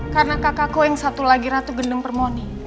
karena kakak kau yang satu lagi ratu gendeng permoni